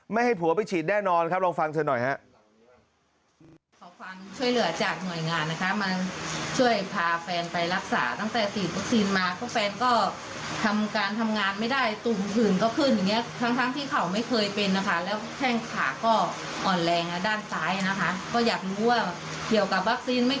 ให้ผัวไปฉีดแน่นอนครับลองฟังเธอหน่อยฮะ